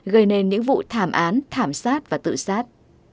gây nên những vụ thảm án thảm sát và tự sát